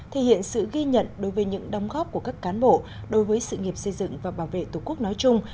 thể hiện sự ghi nhận đối với những đóng góp của các cán bộ đối với sự nghiệp xây dựng và bảo vệ tổ quốc nói chung